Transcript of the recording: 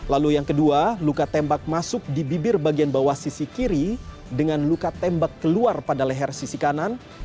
lalu yang kedua luka tembak masuk di bibir bagian bawah sisi kiri dengan luka tembak keluar pada leher sisi kanan